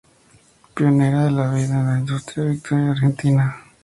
Pionera de la vid y de la industria vitivinícola en Argentina.